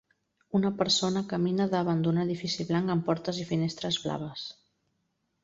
Una persona camina davant d'un edifici blanc amb portes i finestres blaves.